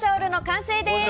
完成です。